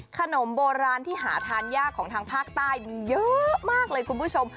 ขนมโบราณที่หาทานยากของทางภาคใต้มีเยอะมากเลยคุณผู้ชม